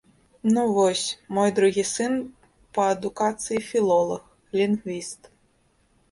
Ну вось, мой другі сын па адукацыі філолаг, лінгвіст.